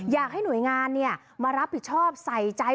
อยากให้หน่วยงานมารับผิดชอบใส่ใจ